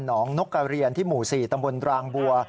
นกกระเรียนที่หมู่๔ตำบลรางบัว